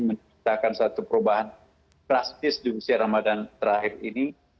menciptakan satu perubahan klasis di musim siar ramadan terakhir ini